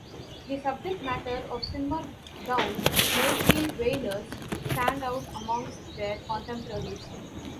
The subject matter of "Simmer Down" made The Wailers stand out amongst their contemporaries.